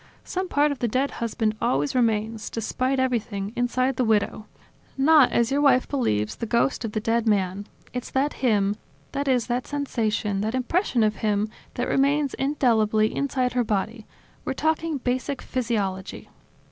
Some part of the dead husband always remains, despite everything, inside the widow. Yes. 'It's him! It's him!' Not, as your wife beliefs, the ghost of the dead man. It's that him, that is that sensation, that impression oihim that remains indelibly inside her body. We're talking basic physiology."